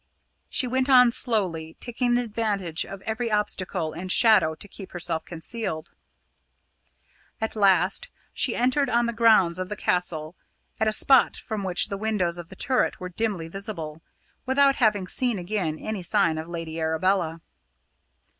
She went on slowly, taking advantage of every obstacle and shadow to keep herself concealed. At last she entered on the grounds of the Castle, at a spot from which the windows of the turret were dimly visible, without having seen again any sign of Lady Arabella.